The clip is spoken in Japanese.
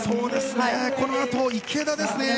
この後、池田ですね。